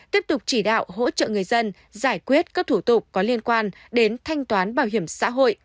tiếp tục chỉ đạo hỗ trợ người dân giải quyết các thủ tục có liên quan đến thanh toán bảo hiểm xã hội